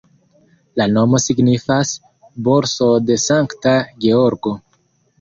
La nomo signifas Borsod-Sankta Georgo.